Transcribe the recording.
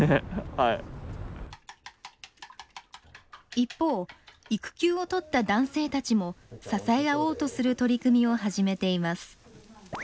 一方育休を取った男性たちも支え合おうとする取り組みを始めています。